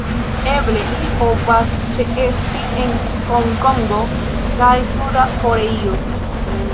Eble ili povas ĉeesti en Hongkongo kaj Suda Koreio.